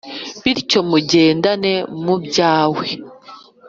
bityo mujyendane mu byawe